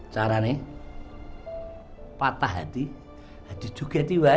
cara ini patah hati hati juga baik